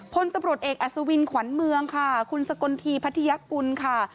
พลตำรวจเอกอัศวินขวัญเมืองค่ะคุณสกลทีพัทยากุลค่ะ